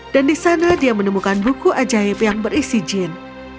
dan di sana dia menemukan buku ajaib yang berisi jin